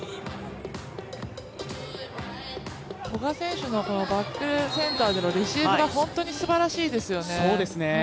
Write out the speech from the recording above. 古賀選手の、バック、センターでのレシーブが本当にすばらしいですよね。